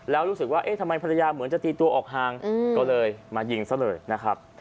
แล้วรู้สึกว่าเอ๊ะทำไมภรรยาเหมือนจะตีตัวออกห่างก็เลยมายิงซะเลยนะครับ